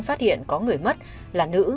phát hiện có người mất là nữ